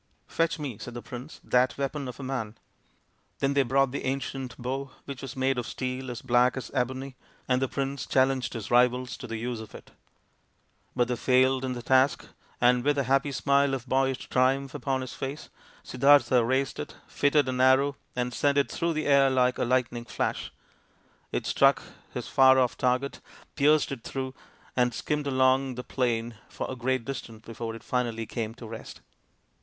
" Fetch me," said the prince, " that weapon of a man." Then they brought the ancient bow, which was made of steel as black as ebony, and the prince challenged his rivals to the use of it. THE PRINCE WONDERFUL 169 But they failed in the task, and, with a happy smile of boyish triumph upon his face, Siddartha raised it, fitted an arrow, and sent it through the air like a lightning flash. It struck his far off target, pierced it through, and skimmed along the plain for a great distance before it finally came to rest.